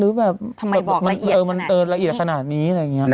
ทำไมบอกละเอียดขนาดนี้